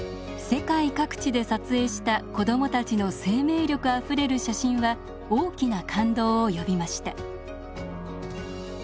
世界各地で撮影した子どもたちの生命力あふれる写真は大きな感動を呼びました。